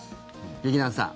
劇団さん。